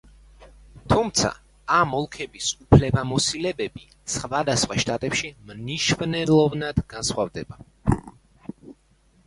თუმცა ამ ოლქების უფლებამოსილებები სხვადასხვა შტატებში მნიშვნელოვნად განსხვავდება.